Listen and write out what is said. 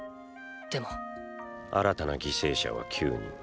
でもーー新たな犠牲者は９人。